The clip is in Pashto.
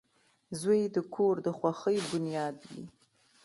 • زوی د کور د خوښۍ بنیاد وي.